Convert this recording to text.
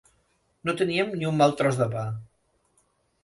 No teníem ni un mal tros de pa.